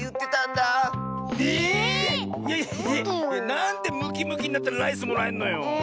なんでムキムキになったらライスもらえんのよ。